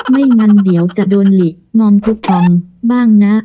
ไม่งั้นเดี๋ยวจะโดนหลีงอมคุกคำบ้างนะ